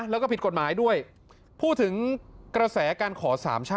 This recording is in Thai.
แล้วก็ผิดกฎหมายด้วยพูดถึงกระแสการขอสามชาติ